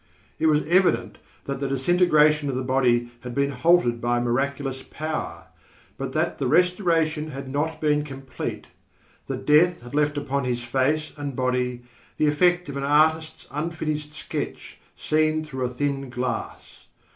It was evident that the disintegration of the body had been halted by a miraculous power, but that the restoration had not been complete; that death had left upon his face and body the effect of an artist's unfinished sketch seen through a thin glass.